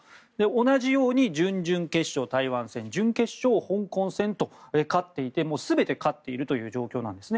同じように準々決勝、台湾戦準決勝、香港戦と勝っていて全て勝っているという状況なんですね。